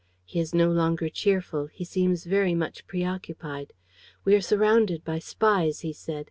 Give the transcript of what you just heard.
He is no longer cheerful. He seems very much preoccupied: "'We are surrounded by spies,' he said.